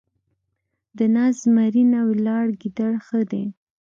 ـ د ناست زمري نه ، ولاړ ګيدړ ښه دی.